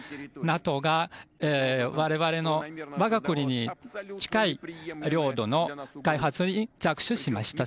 ＮＡＴＯが我々の我が国に近い領土の開発に着手しました。